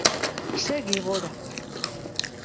Segi gora.